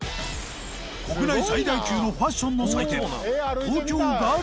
国内最大級のファッションの祭典